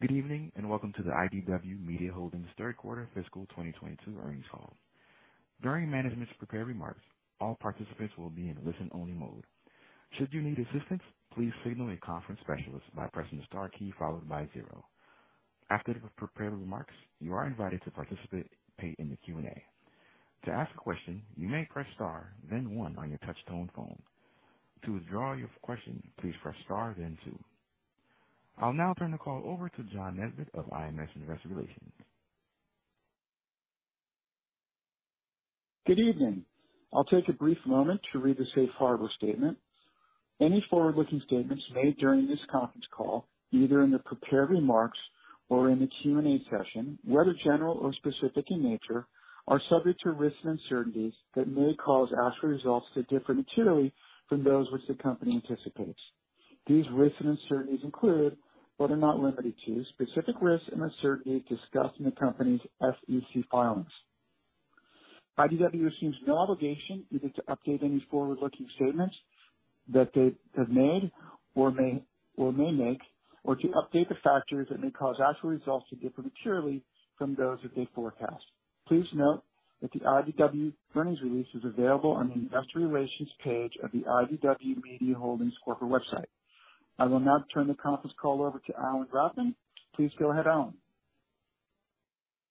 Good evening, and welcome to the IDW Media Holdings Third Quarter Fiscal 2022 Earnings Call. During management's prepared remarks, all participants will be in listen-only mode. Should you need assistance, please signal a conference specialist by pressing the star key followed by zero. After the prepared remarks, you are invited to participate in the Q&A. To ask a question, you may press star then one on your touch tone phone. To withdraw your question, please press star then two. I'll now turn the call over to John Nesbett of IMS Investor Relations. Good evening. I'll take a brief moment to read the safe harbor statement. Any forward-looking statements made during this conference call, either in the prepared remarks or in the Q&A session, whether general or specific in nature, are subject to risks and uncertainties that may cause actual results to differ materially from those which the company anticipates. These risks and uncertainties include, but are not limited to, specific risks and uncertainties discussed in the company's SEC filings. IDW assumes no obligation either to update any forward-looking statements that they have made or may, or may make, or to update the factors that may cause actual results to differ materially from those that they forecast. Please note that the IDW earnings release is available on the investor relations page of the IDW Media Holdings corporate website. I will now turn the conference call over to Allan Grafman. Please go ahead, Allan.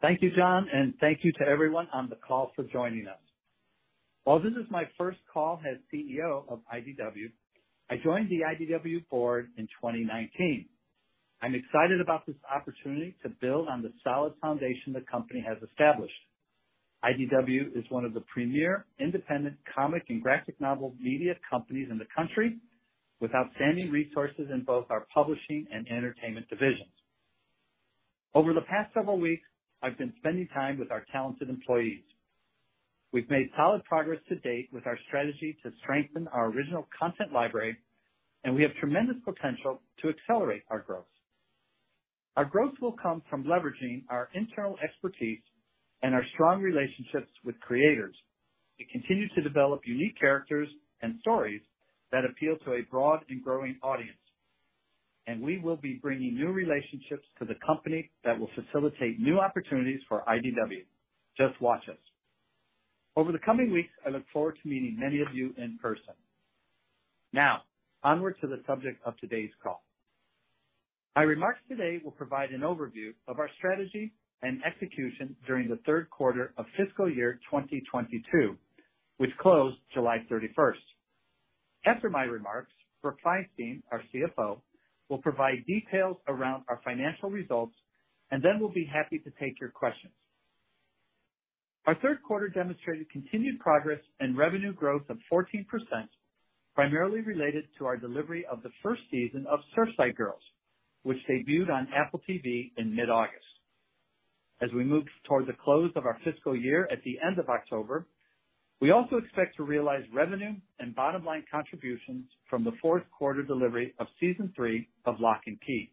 Thank you, John Nesbett, and thank you to everyone on the call for joining us. While this is my first call as CEO of IDW, I joined the IDW board in 2019. I'm excited about this opportunity to build on the solid foundation the company has established. IDW is one of the premier independent comic and graphic novel media companies in the country with outstanding resources in both our publishing and entertainment divisions. Over the past several weeks, I've been spending time with our talented employees. We've made solid progress to date with our strategy to strengthen our original content library, and we have tremendous potential to accelerate our growth. Our growth will come from leveraging our internal expertise and our strong relationships with creators to continue to develop unique characters and stories that appeal to a broad and growing audience. We will be bringing new relationships to the company that will facilitate new opportunities for IDW. Just watch us. Over the coming weeks, I look forward to meeting many of you in person. Now, onward to the subject of today's call. My remarks today will provide an overview of our strategy and execution during the third quarter of fiscal year 2022, which closed July 31st. After my remarks, Brooke Feinstein, our CFO, will provide details around our financial results, and then we'll be happy to take your questions. Our third quarter demonstrated continued progress and revenue growth of 14%, primarily related to our delivery of the first season of Surfside Girls, which debuted on Apple TV in mid-August. As we move toward the close of our fiscal year at the end of October, we also expect to realize revenue and bottom-line contributions from the fourth quarter delivery of season three of Locke & Key.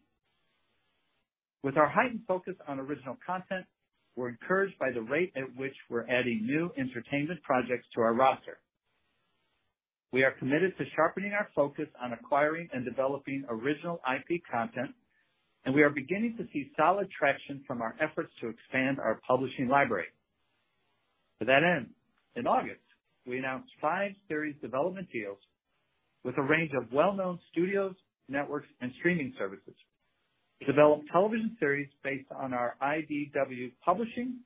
With our heightened focus on original content, we're encouraged by the rate at which we're adding new entertainment projects to our roster. We are committed to sharpening our focus on acquiring and developing original IP content, and we are beginning to see solid traction from our efforts to expand our publishing library. To that end, in August, we announced five series development deals with a range of well-known studios, networks, and streaming services to develop television series based on our IDW Publishing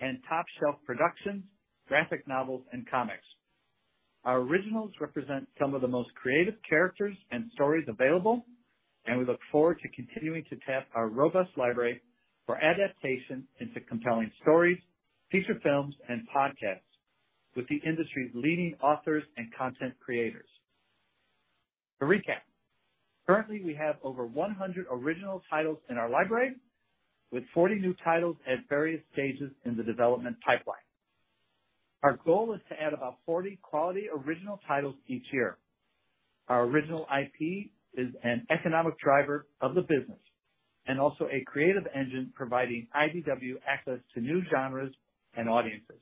and Top Shelf Productions graphic novels and comics. Our originals represent some of the most creative characters and stories available, and we look forward to continuing to tap our robust library for adaptation into compelling stories, feature films, and podcasts with the industry's leading authors and content creators. To recap, currently we have over 100 original titles in our library, with 40 new titles at various stages in the development pipeline. Our goal is to add about 40 quality original titles each year. Our original IP is an economic driver of the business and also a creative engine providing IDW access to new genres and audiences.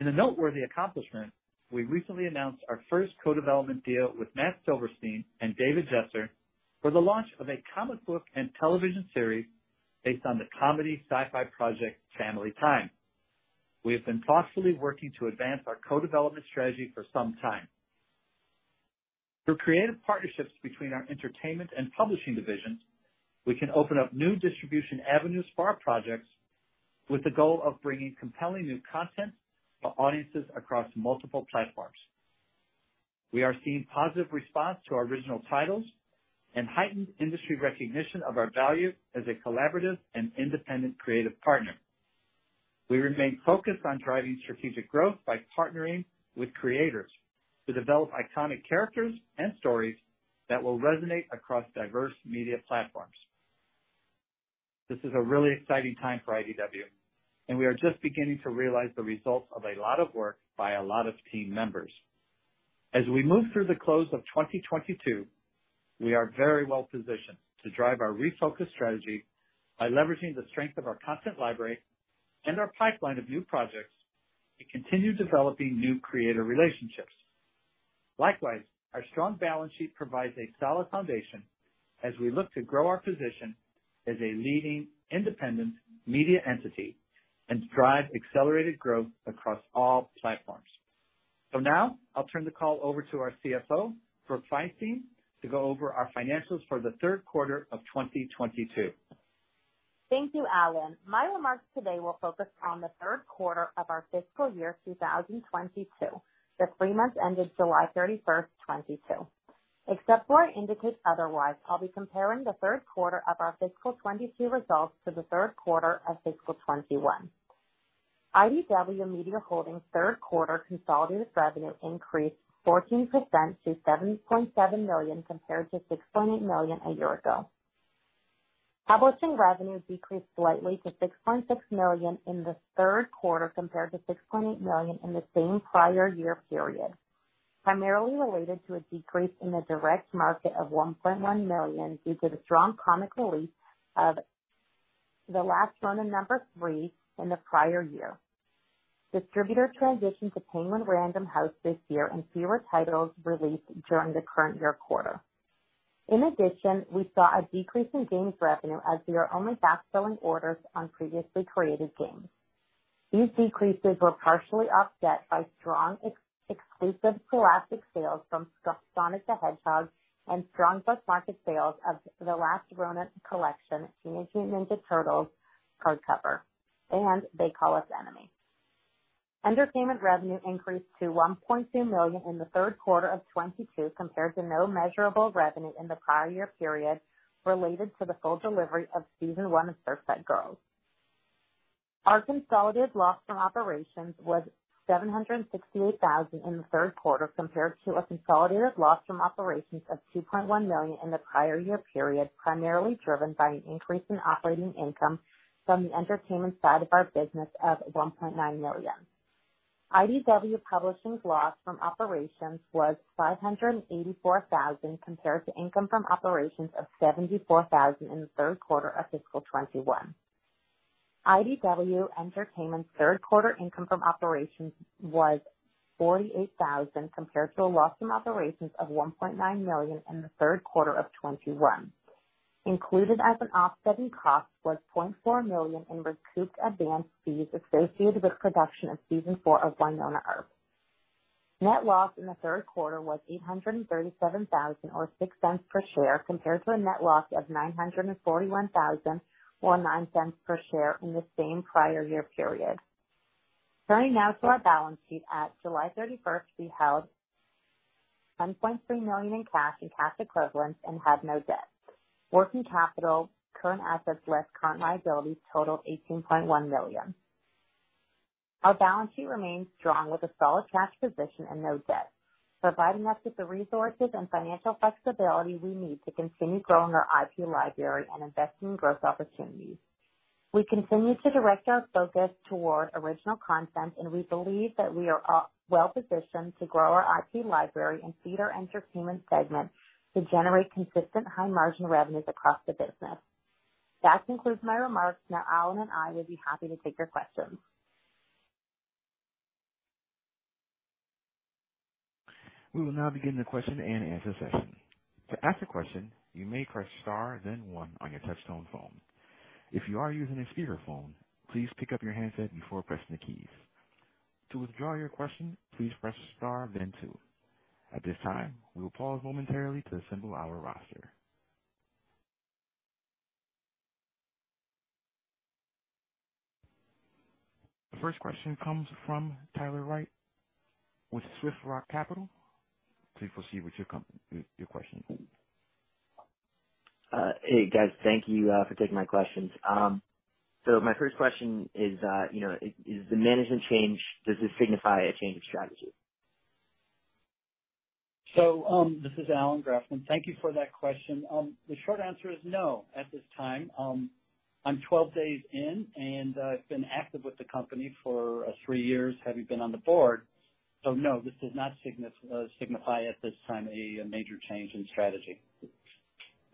In a noteworthy accomplishment, we recently announced our first co-development deal with Matt Silverstein and Dave Jeser for the launch of a comic book and television series based on the comedy sci-fi project Family Time. We have been thoughtfully working to advance our co-development strategy for some time. Through creative partnerships between our entertainment and publishing divisions, we can open up new distribution avenues for our projects with the goal of bringing compelling new content for audiences across multiple platforms. We are seeing positive response to our original titles and heightened industry recognition of our value as a collaborative and independent creative partner. We remain focused on driving strategic growth by partnering with creators to develop iconic characters and stories that will resonate across diverse media platforms. This is a really exciting time for IDW, and we are just beginning to realize the results of a lot of work by a lot of team members. As we move through the close of 2022, we are very well positioned to drive our refocused strategy by leveraging the strength of our content library and our pipeline of new projects to continue developing new creative relationships. Likewise, our strong balance sheet provides a solid foundation as we look to grow our position as a leading independent media entity and drive accelerated growth across all platforms. Now I'll turn the call over to our CFO, Brooke Feinstein, to go over our financials for the third quarter of 2022. Thank you, Alan. My remarks today will focus on the third quarter of our fiscal year 2022, the three months ended July 31st, 2022. Except where I indicate otherwise, I'll be comparing the third quarter of our fiscal 2022 results to the third quarter of fiscal 2021. IDW Media Holdings' third quarter consolidated revenue increased 14% to $7.7 million, compared to $6.8 million a year ago. Publishing revenue decreased slightly to $6.6 million in the third quarter, compared to $6.8 million in the same prior year period, primarily related to a decrease in the direct market of $1.1 million due to the strong comic release of The Last Ronin number three in the prior year. Distributor transitioned to Penguin Random House this year and fewer titles released during the current year quarter. In addition, we saw a decrease in games revenue as we are only backfilling orders on previously created games. These decreases were partially offset by strong exclusive Scholastic sales from Sonic the Hedgehog and strong book market sales of The Last Ronin collection, Teenage Mutant Ninja Turtles hardcover, and They Call Us Enemy. Entertainment revenue increased to $1.2 million in the third quarter of 2022, compared to no measurable revenue in the prior year period, related to the full delivery of season one of Surfside Girls. Our consolidated loss from operations was $768,000 in the third quarter, compared to a consolidated loss from operations of $2.1 million in the prior year period, primarily driven by an increase in operating income from the entertainment side of our business of $1.9 million. IDW Publishing's loss from operations was $584,000, compared to income from operations of $74,000 in the third quarter of fiscal 2021. IDW Entertainment's third quarter income from operations was $48,000, compared to a loss from operations of $1.9 million in the third quarter of 2021. Included as an offsetting cost was $0.4 million in recouped advance fees associated with production of season four of Wynonna Earp. Net loss in the third quarter was $837,000 or $0.06 per share, compared to a net loss of $941,000 or $0.09 per share in the same prior year period. Turning now to our balance sheet. At July 31st, we held $10.3 million in cash and cash equivalents and had no debt. Working capital, current assets less current liabilities totaled $18.1 million. Our balance sheet remains strong with a solid cash position and no debt, providing us with the resources and financial flexibility we need to continue growing our IP library and investing in growth opportunities. We continue to direct our focus toward original content, and we believe that we are well positioned to grow our IP library and feed our entertainment segment to generate consistent high-margin revenues across the business. That concludes my remarks. Now, Alan and I will be happy to take your questions. We will now begin the question-and-answer session. To ask a question, you may press star then one on your touchtone phone. If you are using a speakerphone, please pick up your handset before pressing the keys. To withdraw your question, please press star then two. At this time, we will pause momentarily to assemble our roster. The first question comes from Tyler Wright with SwiftRock Capital. Please proceed with your question. Hey, guys. Thank you for taking my questions. My first question is, you know, is the management change, does this signify a change of strategy? This is Allan Grafman. Thank you for that question. The short answer is no, at this time. I'm 12 days in, and I've been active with the company for three years, having been on the board. No, this does not signify at this time a major change in strategy.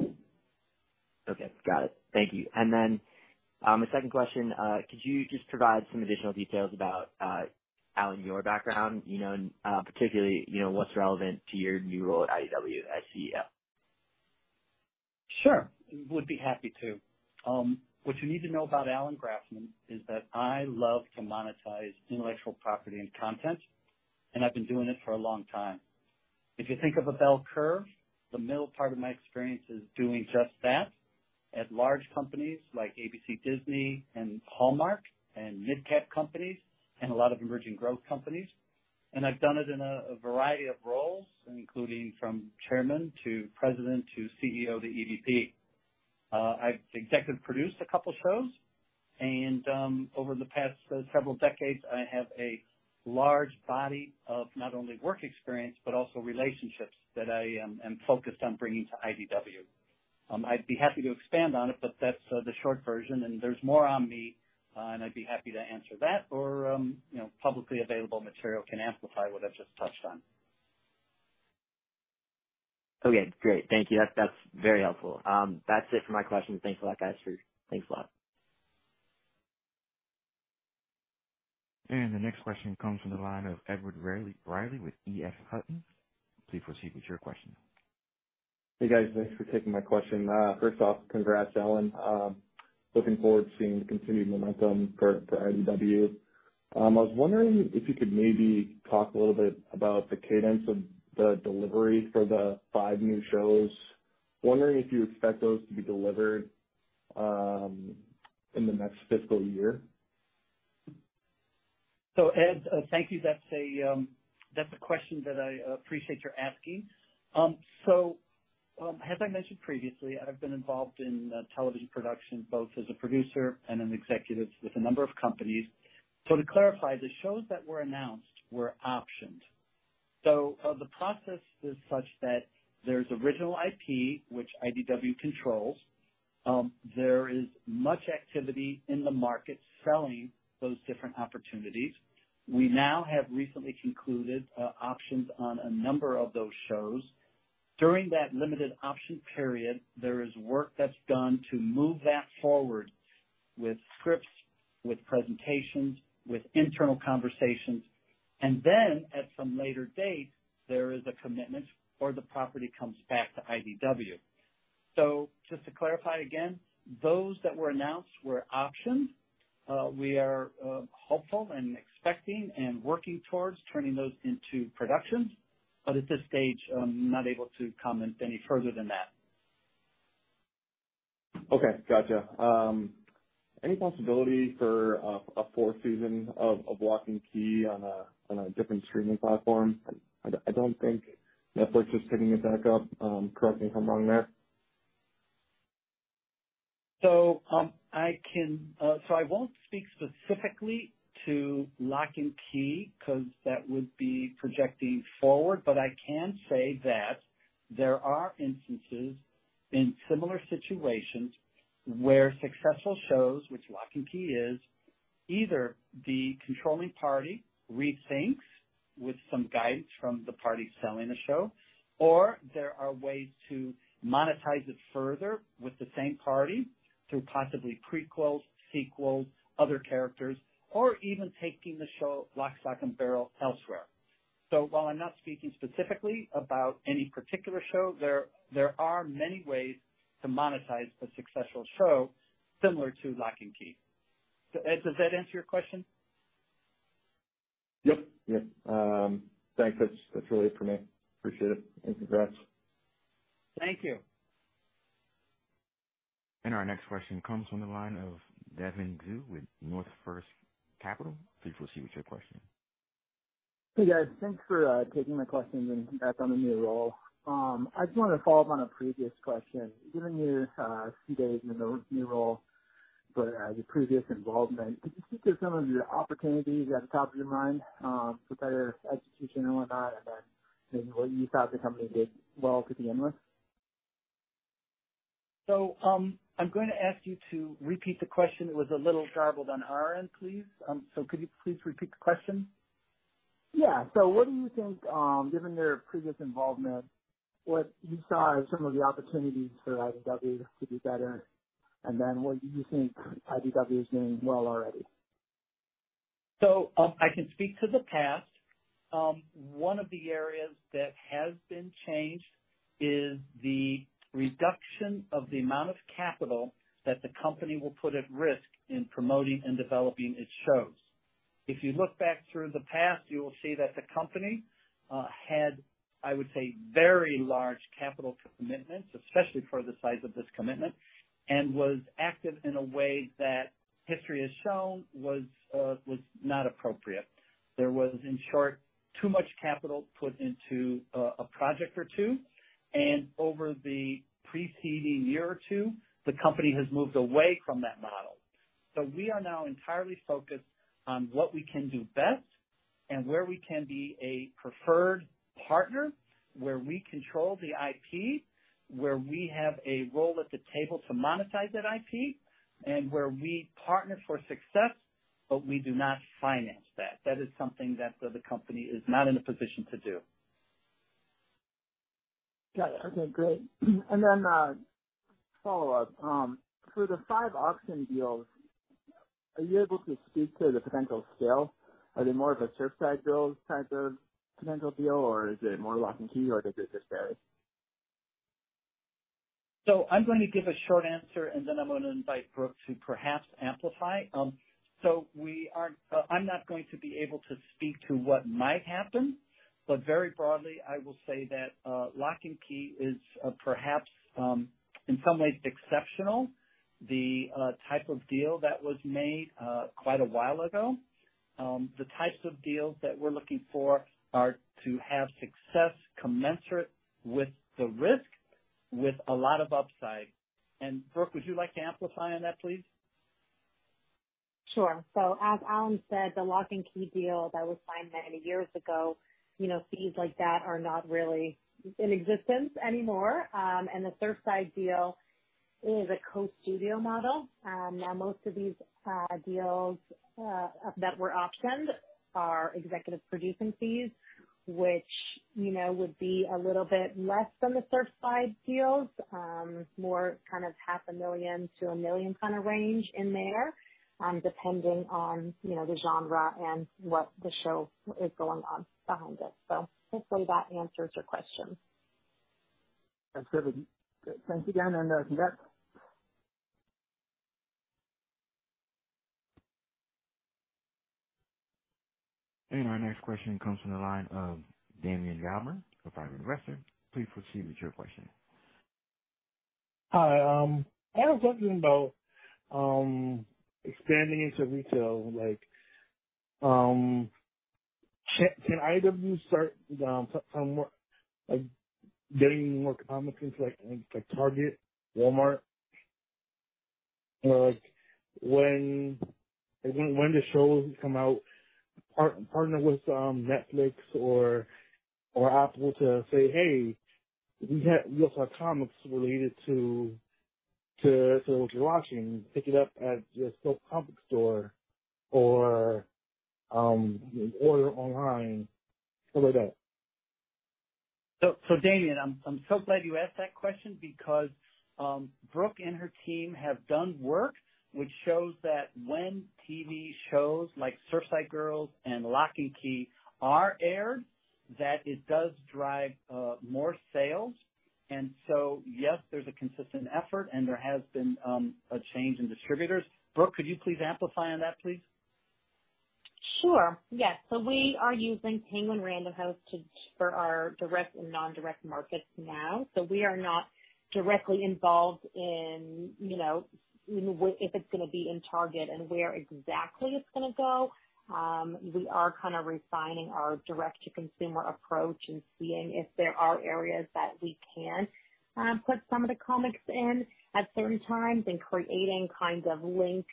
Okay. Got it. Thank you. A second question. Could you just provide some additional details about, Allan, your background, you know, and particularly, you know, what's relevant to your new role at IDW as CEO? Sure, would be happy to. What you need to know about Allan Grafman is that I love to monetize intellectual property and content, and I've been doing it for a long time. If you think of a bell curve, the middle part of my experience is doing just that at large companies like ABC, Disney and Hallmark, and midcap companies, and a lot of emerging growth companies. I've done it in a variety of roles, including from chairman to president to CEO to EVP. I've executive produced a couple shows. Over the past several decades, I have a large body of not only work experience, but also relationships that I am focused on bringing to IDW. I'd be happy to expand on it, but that's the short version and there's more on me, and I'd be happy to answer that or, you know, publicly available material can amplify what I've just touched on. Okay, great. Thank you. That's very helpful. That's it for my questions. Thanks a lot, guys. Thanks a lot. The next question comes from the line of Edward Reilly with EF Hutton. Please proceed with your question. Hey, guys. Thanks for taking my question. First off, congrats, Allan. Looking forward to seeing the continued momentum for IDW. I was wondering if you could maybe talk a little bit about the cadence of the delivery for the five new shows. Wondering if you expect those to be delivered in the next fiscal year. Ed, thank you. That's a question that I appreciate your asking. As I mentioned previously, I've been involved in television production both as a producer and an executive with a number of companies. To clarify, the shows that were announced were optioned. The process is such that there's original IP, which IDW controls. There is much activity in the market selling those different opportunities. We now have recently concluded options on a number of those shows. During that limited option period, there is work that's done to move that forward with scripts, with presentations, with internal conversations, and then at some later date, there is a commitment or the property comes back to IDW. Just to clarify again, those that were announced were optioned. We are hopeful and expecting and working towards turning those into productions, but at this stage, I'm not able to comment any further than that. Okay. Gotcha. Any possibility for a fourth season of Locke & Key on a different streaming platform? I don't think Netflix is picking it back up, correct me if I'm wrong there. I won't speak specifically to Locke & Key 'cause that would be projecting forward, but I can say that there are instances in similar situations where successful shows, which Locke & Key is, either the controlling party rethinks with some guidance from the party selling the show, or there are ways to monetize it further with the same party through possibly prequels, sequels, other characters, or even taking the show lock, stock, and barrel elsewhere. While I'm not speaking specifically about any particular show, there are many ways to monetize a successful show similar to Locke & Key. Ed, does that answer your question? Yep. Thanks. That's really it for me. Appreciate it and congrats. Thank you. Our next question comes from the line of Devin Xu with North First Capital. Please proceed with your question. Hey, guys. Thanks for taking my question and congrats on the new role. I just wanted to follow up on a previous question. Given you're a few days in the new role, but your previous involvement, could you speak to some of your opportunities at the top of your mind, for better execution and whatnot, and then maybe what you thought the company did well to begin with? I'm going to ask you to repeat the question. It was a little garbled on our end, please. Could you please repeat the question? Yeah. What do you think, given your previous involvement, what you saw as some of the opportunities for IDW to do better? What you think IDW is doing well already. I can speak to the past. One of the areas that has been changed is the reduction of the amount of capital that the company will put at risk in promoting and developing its shows. If you look back through the past, you will see that the company had, I would say, very large capital commitments, especially for the size of this commitment, and was active in a way that history has shown was not appropriate. There was, in short, too much capital put into a project or two, and over the preceding year or two, the company has moved away from that model. We are now entirely focused on what we can do best and where we can be a preferred partner, where we control the IP, where we have a role at the table to monetize that IP, and where we partner for success, but we do not finance that. That is something that the company is not in a position to do. Got it. Okay, great. Follow-up. For the five option deals, are you able to speak to the potential scale? Are they more of a Surfside Girls type of potential deal, or is it more Locke & Key, or does it just vary? I'm going to give a short answer, and then I'm gonna invite Brooke to perhaps amplify. I'm not going to be able to speak to what might happen, but very broadly, I will say that, Locke & Key is, perhaps, in some ways exceptional, the type of deal that was made, quite a while ago. The types of deals that we're looking for are to have success commensurate with the risk with a lot of upside. Brooke, would you like to amplify on that, please? Sure. As Allan said, the Locke & Key deal that was signed many years ago, you know, fees like that are not really in existence anymore. The Surfside deal is a co-studio model. Now most of these deals that were optioned are executive producing fees, you know, would be a little bit less than the Surfside deals, more kind of half a million one million kind of range in there, depending on, you know, the genre and what the show is going on behind it. Hopefully that answers your question. That's good. Thank you again, and good luck. Our next question comes from the line of [Damian Galburn] Private Investor. Please proceed with your question. Hi. I have a question about expanding into retail. Like, can IDW start some more like getting more comics into like Target, Walmart? Like when the shows come out, partner with Netflix or Apple to say, "Hey, we have real-life comics related to what you're watching. Pick it up at your local comic store or order online." How about that? Damian, I'm so glad you asked that question because Brooke and her team have done work which shows that when TV shows like Surfside Girls and Locke & Key are aired, that it does drive more sales. Yes, there's a consistent effort and there has been a change in distributors. Brooke, could you please amplify on that, please. Sure, yes. We are using Penguin Random House to for our direct and non-direct markets now. We are not directly involved in, you know, if it's gonna be in Target and where exactly it's gonna go. We are kind of refining our direct-to-consumer approach and seeing if there are areas that we can put some of the comics in at certain times, and creating kinds of links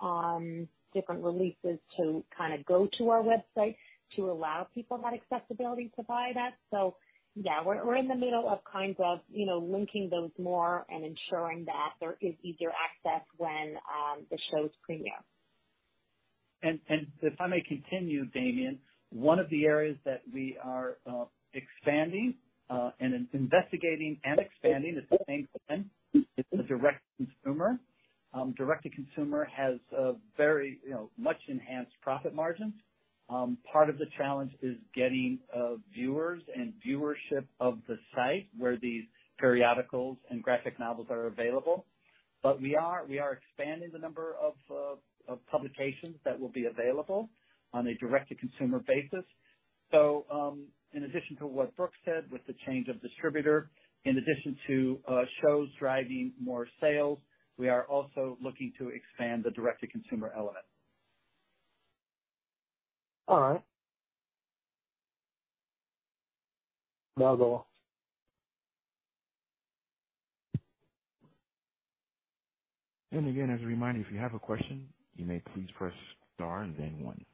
on different releases to kind of go to our website to allow people that accessibility to buy that. Yeah, we're in the middle of kind of, you know, linking those more and ensuring that there is easier access when the shows premiere. If I may continue, Damian, one of the areas that we are expanding and investigating and expanding, it's the same thing, is the direct-to-consumer. Direct-to-consumer has a very, you know, much enhanced profit margins. Part of the challenge is getting viewers and viewership of the site where these periodicals and graphic novels are available. We are expanding the number of publications that will be available on a direct-to-consumer basis. In addition to what Brooke said with the change of distributor, in addition to shows driving more sales, we are also looking to expand the direct-to-consumer element. All right. No problem. Again, as a reminder, if you have a question, you may please press star and then one.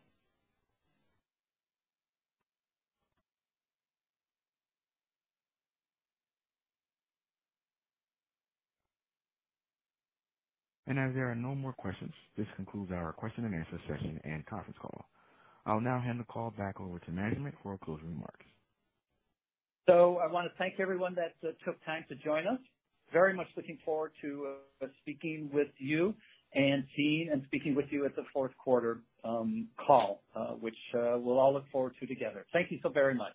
As there are no more questions, this concludes our question and answer session and conference call. I'll now hand the call back over to management for closing remarks. I wanna thank everyone that took time to join us. Very much looking forward to speaking with you and seeing and speaking with you at the fourth quarter call, which we'll all look forward to together. Thank you so very much.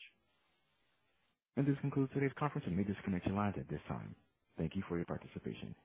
This concludes today's conference. You may disconnect your lines at this time. Thank you for your participation.